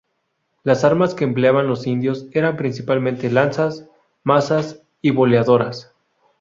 Las armas que empleaban los indios eran principalmente lanzas, mazas y boleadoras.